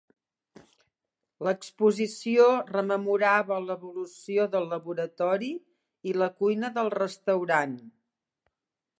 L'exposició rememorava l'evolució del laboratori i la cuina del restaurant.